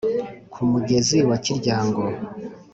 Ku mugezi wa Kiryango